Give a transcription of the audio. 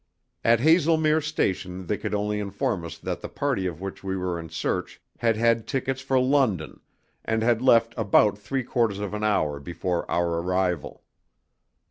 At Haslemere station they could only inform us that the party of which we were in search had had tickets for London, and had left about three quarters of an hour before our arrival.